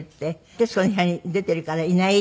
「『徹子の部屋』に出ているからいない」って。